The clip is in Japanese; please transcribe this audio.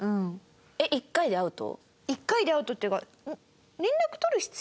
１回でアウトっていうか。